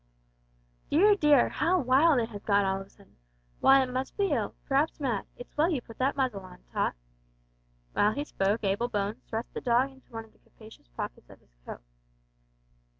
"Dear, dear, how wild it has got all of a sudden! W'y, it must be ill p'r'aps mad. It's well you put that muzzle on, Tot." While he spoke Abel Bones thrust the dog into one of the capacious pockets of his coat.